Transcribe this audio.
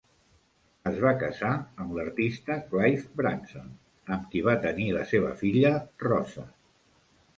Es va casar amb l'artista Clive Branson, amb qui va tenir la seva filla Rosa.